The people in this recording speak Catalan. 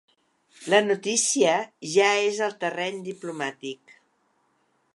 La notícia ja és al terreny diplomàtic.